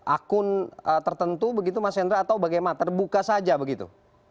akun tertentu begitu mas hendra atau bagaimana terbuka saja begitu